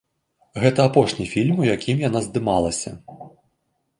Гэта апошні фільм, у якім яна здымалася.